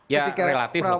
ya relatif lebih adem